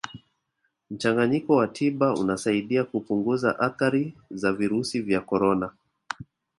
mchanganyiko wa tiba unasaidia kupunguza athari za virusi vya corona